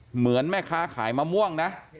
เหมือนแม่ค้าขายมะม่วงนะ